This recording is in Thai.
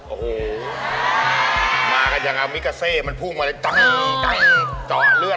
โอ้โหมากันอย่างอามิกาเซมันพุ่งมาเลยเจาะเลือด